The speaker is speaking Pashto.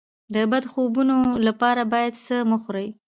د بد خوبونو لپاره باید څه مه خورم؟